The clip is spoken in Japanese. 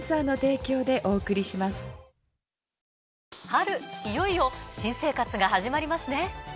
春いよいよ新生活が始まりますね。